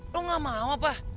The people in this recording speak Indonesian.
lo gak mau apa